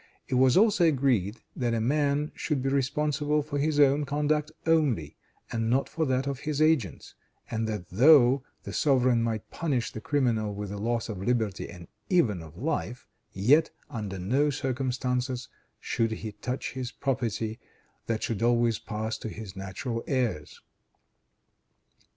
It was also agreed that a man should be responsible for his own conduct only, and not for that of his agents, and that though the sovereign might punish the criminal with the loss of liberty and even of life, yet, under no circumstances, should he touch his property; that should always pass to his natural heirs.